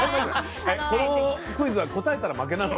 このクイズは答えたら負けなの？